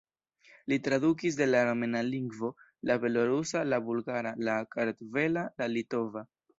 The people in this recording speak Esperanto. Li tradukis de la armena lingvo, la belorusa, la bulgara, la kartvela, la litova.